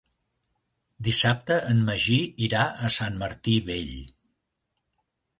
Dissabte en Magí irà a Sant Martí Vell.